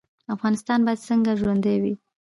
افغانستان باید څنګه ژوندی وي؟